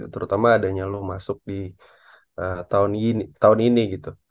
terutama adanya lu masuk di tahun ini